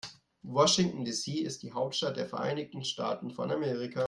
Washington, D.C. ist die Hauptstadt der Vereinigten Staaten von Amerika.